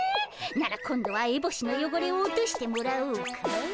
なら今度はエボシのよごれを落としてもらおうか。